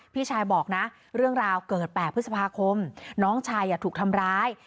พี่ชายบอกนะเรื่องราวเกิด๘พฤษภาคมน้องชายถูกทำร้าย